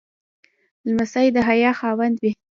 لمسی د حیا خاوند وي.